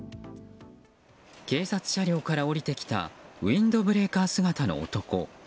警察車両から降りてきたウインドブレーカー姿の男。